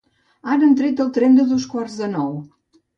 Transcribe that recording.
Ara han tret el tren de dos quarts de nou